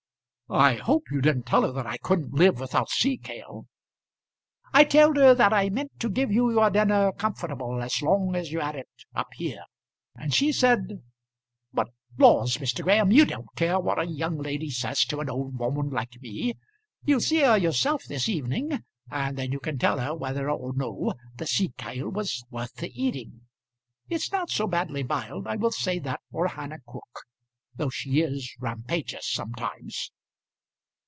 "I hope you didn't tell her that I couldn't live without sea kale?" "I told her that I meant to give you your dinner comfortable as long as you had it up here; and she said ; but laws, Mr. Graham, you don't care what a young lady says to an old woman like me. You'll see her yourself this evening, and then you can tell her whether or no the sea kale was worth the eating! It's not so badly biled, I will say that for Hannah Cook, though she is rampagious sometimes."